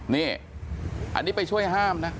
นี่อันนี้ไปช่วยห้ามนะ